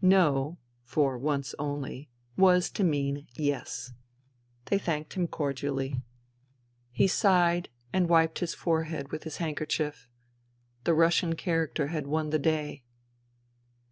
No (for once only) was to mean Yes, They thanked him cordially. He 148 FUTILITY sighed and wiped his forehead with his handkerchief. The Russian character had won the day.